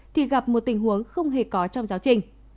thì gặp một tình huống không hề có trong giáo trình